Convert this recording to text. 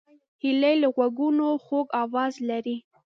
هیلۍ له غوږونو خوږ آواز لري